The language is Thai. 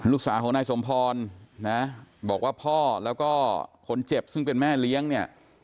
ลูกสาวของนายสมพรนะบอกว่าพ่อแล้วก็คนเจ็บซึ่งเป็นแม่เลี้ยงเนี่ย